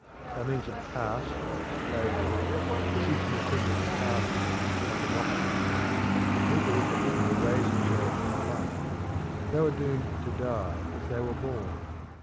By means of caste, slavery, the system of privileged classes, and monopolies, the people were forbidden to raise themselves in life; they were doomed to die as they were born.